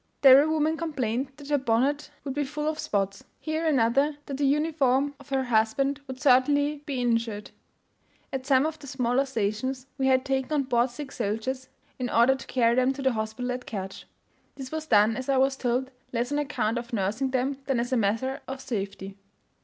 There a woman complained that her bonnet would be full of spots; here, another, that the uniform of her husband would certainly be injured. At some of the smaller stations, we had taken on board sick soldiers, in order to carry them to the hospital at Kertsch. This was done, as I was told, less on account of nursing them than as a measure of safety.